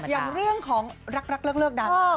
อย่างเรื่องของรักเลิกดัน